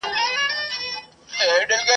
ابوجهل به یې ولي د منبر سرته ختلای !.